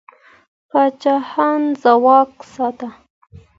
پاچاهان ځواک ساته.